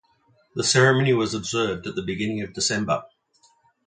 This ceremony was observed at the beginning of December.